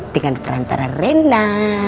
dengan perantara rena